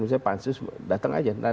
misalnya pansus datang saja